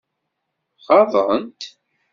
Ɣaḍent-t?